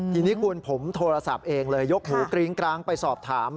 ทีนี้คุณผมโทรศัพท์เองเลยยกหูกริ้งกร้างไปสอบถาม